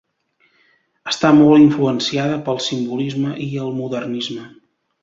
Està molt influenciada pel simbolisme i el modernisme.